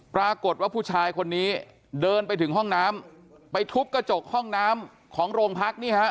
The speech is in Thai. ปรากฏว่าผู้ชายคนนี้เดินไปถึงห้องน้ำไปทุบกระจกห้องน้ำของโรงพักนี่ฮะ